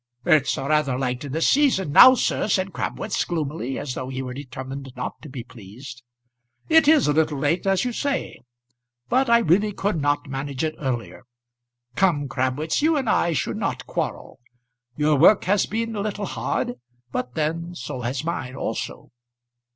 "It's rather late in the season now, sir," said Crabwitz, gloomily, as though he were determined not to be pleased. "It is a little late, as you say; but I really could not manage it earlier. Come, Crabwitz, you and I should not quarrel. Your work has been a little hard, but then so has mine also."